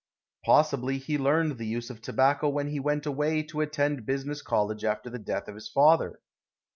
Possibly he learned the use of tobacco when he went away to attend business college after the death of his father.